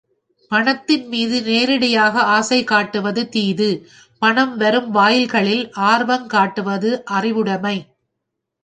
பணத்தின் மீது நேரிடையாக ஆசை காட்டுவது தீது, பணம் வரும் வாயில்களில் ஆர்வங் காட்டுவது அறிவுடைமை.